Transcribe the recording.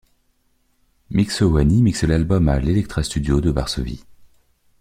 Miksowanie mixe l'album à l'Elektra Studio de Varsovie.